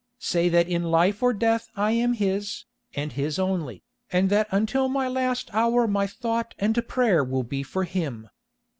Say that in life or death I am his, and his only, and that until my last hour my thought and prayer will be for him.